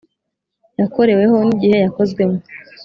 Yakoreweho N Igihe Yakozwemo